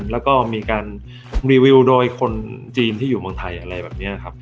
แล้วก็มีการรีวิวโดยคนจีนที่อยู่เมืองไทยอะไรแบบนี้ครับ